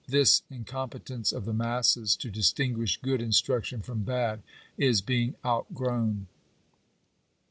839 this incompetence of the masses to distinguish good instruction from bad, is being outgrown.